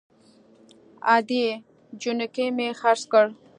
_ادې! جونګی مې خرڅ کړ!